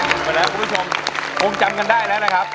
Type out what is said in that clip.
ดูไปแล้วคุณผู้ชมคงจำกันได้แล้วนะครับ